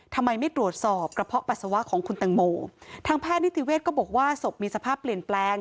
ทำไมไม่ตรวจสอบกระเพาะปัสสาวะของคุณแตงโมทางแพทย์นิติเวศก็บอกว่าศพมีสภาพเปลี่ยนแปลง